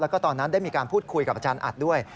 แล้วก็ตอนนั้นได้มีการพูดคุยกับอาจารย์อัดด้วย